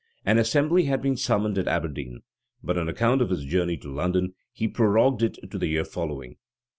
An assembly had been summoned at Aberdeen;[] but, on account of his journey to London, he prorogued it to the year following.